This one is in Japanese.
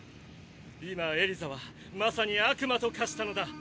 今エリザはまさに悪魔と化したのだ。